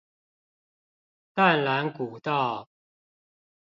淡蘭古道